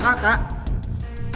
kamu bukan pencuri kan lan